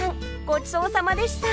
ごちそうさまでした！